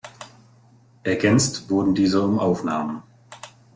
Ergänzt wurden diese um Aufnahmen.